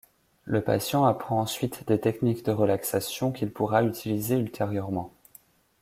Le patient apprend ensuite des techniques de relaxation qu'il pourra utiliser ultérieurement.